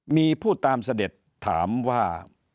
มีผู้ตามเสด็จถามว่า